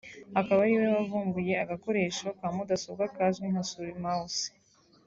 akaba ariwe wavumbuye agakoresho ka mudasobwa kazwi nka Souris (mouse)